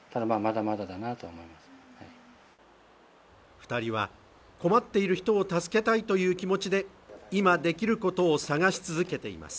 二人は困っている人を助けたいという気持ちで今できることを探し続けています